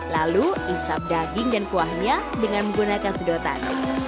lalu isap daging dan kuahnya dengan menggunakan sedotan